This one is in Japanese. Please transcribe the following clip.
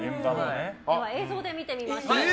映像で見てみましょう。